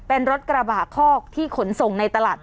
เปิดไฟขอทางออกมาแล้วอ่ะ